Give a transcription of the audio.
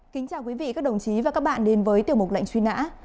kính chào quý vị các đồng chí và các bạn đến với tiểu mục lệnh truy nã